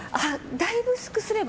だいぶ薄くすれば。